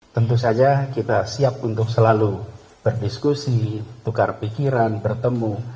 tentu saja kita siap untuk selalu berdiskusi tukar pikiran bertemu